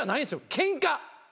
ケンカ。